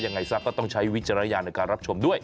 ยังไงซะก็ต้องใช้วิจารณญาณในการรับชมด้วย